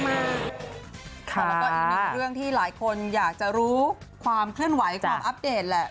แล้วก็อีกหนึ่งเรื่องที่หลายคนอยากจะรู้ความเคลื่อนไหวความอัปเดตแหละ